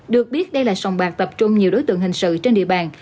được biết đây là sòng bạc tập trung nhiều đối tượng hình sự trên địa bàn